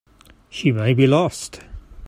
She may be lost.